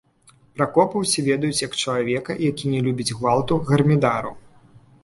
Пракопа ўсе ведаюць як чалавека, які не любіць гвалту, гармідару.